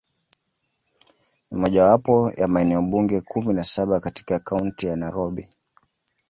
Ni mojawapo wa maeneo bunge kumi na saba katika Kaunti ya Nairobi.